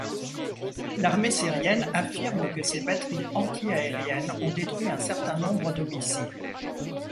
L'armée syrienne affirme que ses batteries anti-aériennes ont détruit un certain nombre de missiles.